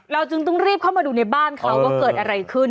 จึงต้องรีบเข้ามาดูในบ้านเขาว่าเกิดอะไรขึ้น